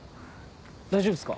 大丈夫っすか？